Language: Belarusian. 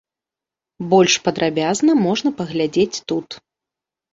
Больш падрабязна можна паглядзець тут.